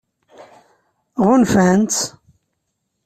Ɣunfan-tt?